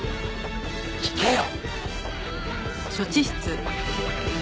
聞けよ！